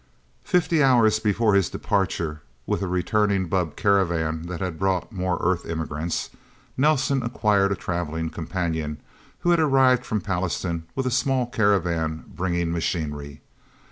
Fifty hours before his departure with a returning bubb caravan that had brought more Earth emigrants, Nelsen acquired a travelling companion who had arrived from Pallastown with a small caravan bringing machinery.